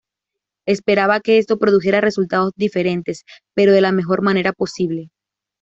Esperaba que esto "produjera resultados diferentes, pero de la mejor manera posible".